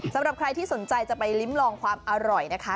สำหรับใครที่สนใจจะไปลิ้มลองความอร่อยนะคะ